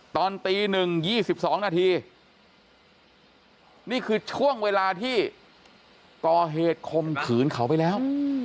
ตอนตี๑๒๒นาทีนี่คือช่วงเวลาที่ก่อเหตุคมขืนเขาไปแล้ว